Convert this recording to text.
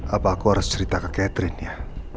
apa aku harus cerita ke catherine ya